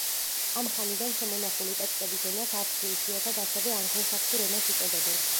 ამ ხანიდან შემონახული ტექსტების ენას არცთუ იშვიათად ასევე ანგლო-საქსურ ენას უწოდებენ.